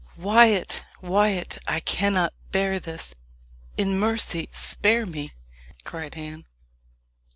"Wyat! Wyat! I cannot bear this in mercy spare me!" cried Anne.